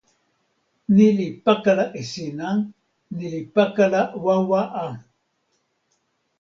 ni li pakala e sina. ni li pakala wawa a.